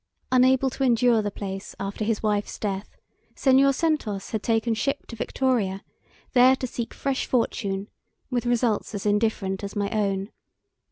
Unable to endure the place after his wife's death, Senhor Santos had taken ship to Victoria, there to seek fresh fortune with results as indifferent as my own.